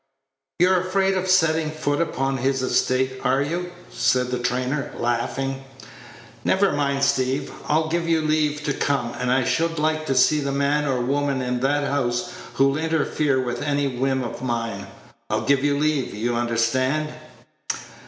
"You're afraid of setting foot upon his estate, are you?" said the trainer, laughing. "Never mind, Steeve, I give you leave to come, and I should like to see the man or woman in that house who'll interfere with any whim of mine. I give you leave. You understand."